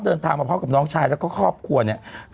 เดินทางมาพร้อมกับน้องชายแล้วก็ครอบครัวเนี่ย